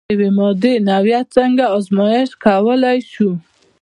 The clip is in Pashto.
د یوې مادې نوعیت څنګه ازميښت کولی شئ؟